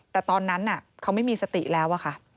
แต่ตอนนั้นเขาไม่มีสติแล้วอะค่ะ